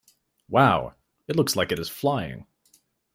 Wow! It looks like it is flying!